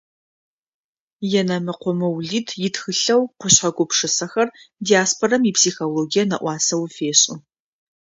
Енэмыкъо Моулид итхылъэу «Къушъхьэ гупшысэхэр» диаспорэм ипсихологие нэӏуасэ уфешӏы.